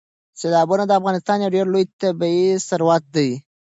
سیلابونه د افغانستان یو ډېر لوی طبعي ثروت دی.